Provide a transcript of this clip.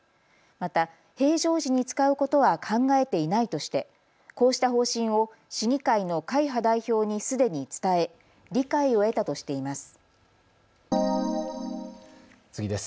また平常時に使うことは考えていないとしてこうした方針を市議会の会派代表にすでに伝え、理解を得たとしています。